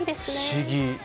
不思議。